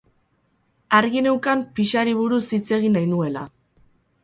Argi neukan pixari buruz hitz egin nahi nuela.